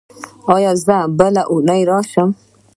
ایا زه بله اونۍ راشم؟